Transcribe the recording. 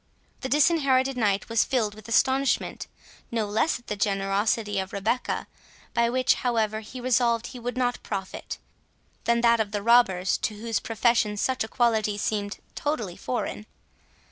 The Disinherited Knight was filled with astonishment, no less at the generosity of Rebecca, by which, however, he resolved he would not profit, than that of the robbers, to whose profession such a quality seemed totally foreign.